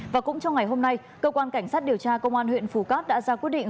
và cũng trong ngày hôm nay cơ quan cảnh sát điều tra công an huyện phù cát đã ra quyết định